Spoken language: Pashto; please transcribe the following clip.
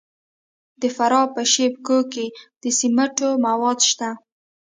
د فراه په شیب کوه کې د سمنټو مواد شته.